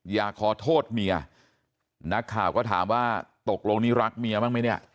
อยากขอโทษเมียนักข่าวก็ถามว่าตกลงนี้รักเมียบ้างไหมเนี่ย